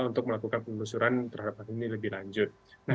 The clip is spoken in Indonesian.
untuk melakukan penelusuran terhadap hal ini lebih lanjut